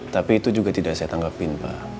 tapi itu juga tidak saya tanggapin pak